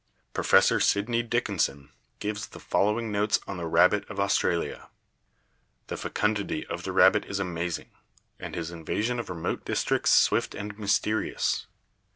Professor Sidney Dickinson gives the following notes on the rabbit of Aus tralia: "The fecundity of the rabbit is amazing, and his invasion of remote districts swift and mysterious.